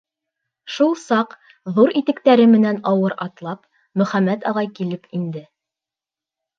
Шул саҡ, ҙур итектәре менән ауыр атлап, Мөхәммәт ағай килеп инде.